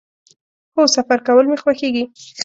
هو، سفر کول می خوښیږي